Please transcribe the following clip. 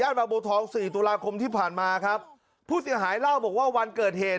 บางบัวทองสี่ตุลาคมที่ผ่านมาครับผู้เสียหายเล่าบอกว่าวันเกิดเหตุ